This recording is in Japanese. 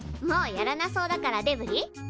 もうやらなそうだからデブリ？